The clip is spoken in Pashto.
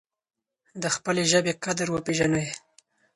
د خپلې ژبې قدر وپیژنئ.